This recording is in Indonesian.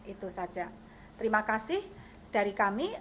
itu saja terima kasih dari kami